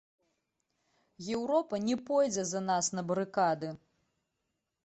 Еўропа не пойдзе за нас на барыкады.